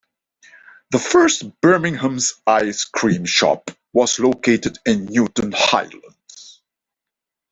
The first Brigham's Ice Cream shop was located in Newton Highlands.